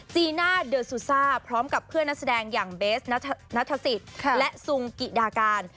จีน่าเดอร์ซูซ่าพร้อมกับเพื่อนนักแสดงอย่างเบสนัทศิษย์และซุงกิดาการ